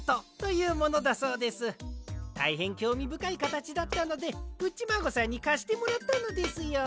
たいへんきょうみぶかいかたちだったのでプッチマーゴさんにかしてもらったのですよ。